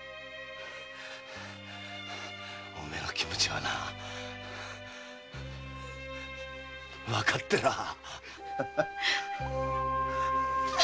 お前の気持ちはなわかってらぁ。